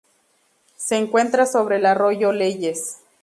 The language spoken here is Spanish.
Se encuentra sobre el arroyo Leyes.